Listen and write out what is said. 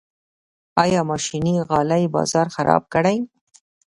آیا ماشیني غالۍ بازار خراب کړی؟